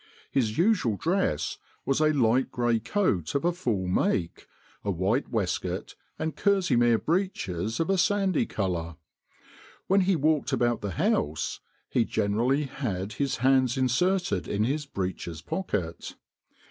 His usual dress was a light gray coat of a full make, a white waistcoat, and kerseymere breeches of a sandy colour. When he walked about the House, he generally had his hands inserted in his breeches' pocket.